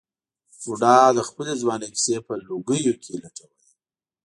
بوډا د خپلې ځوانۍ کیسې په لوګیو کې لټولې.